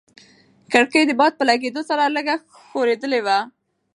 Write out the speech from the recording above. کړکۍ د باد په لګېدو سره لږه ښورېدلې وه.